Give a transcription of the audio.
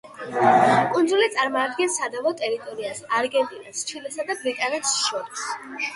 კუნძული წარმოადგენს სადავო ტერიტორიას არგენტინას, ჩილესა და ბრიტანეთს შორის.